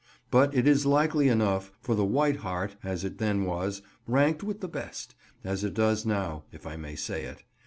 But it is likely enough, for the "White Hart," as it then was, ranked with the best—as it does now, if I may say it.